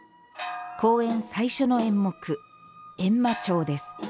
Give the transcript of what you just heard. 公演最初の演目「えんま庁」です。